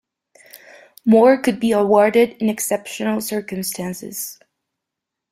More could be awarded in exceptional circumstances.